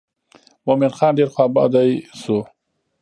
مومن خان ډېر خوا بډی شو.